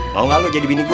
mau gak lo jadi bini gue